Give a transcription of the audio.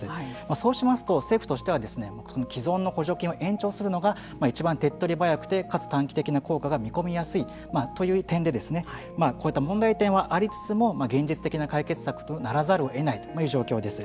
そうしますと政府としては既存の補助金を延長するのがいちばん手っ取り早くてかつ短期的な効果が見込みやすいという点でこういった問題点はありつつも現実的な解決策とならざるをえないという状況です。